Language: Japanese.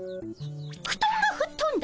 ふとんがふっとんだ。